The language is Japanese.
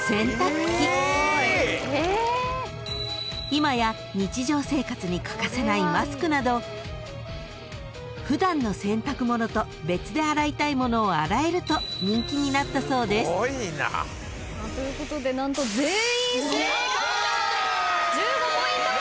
［今や日常生活に欠かせないマスクなど普段の洗濯物と別で洗いたいものを洗えると人気になったそうです］ということで何と全員正解です。